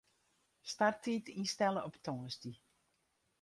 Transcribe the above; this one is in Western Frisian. Starttiid ynstelle op tongersdei.